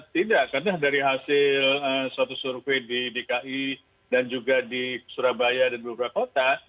tidak karena dari hasil suatu survei di dki dan juga di surabaya dan beberapa kota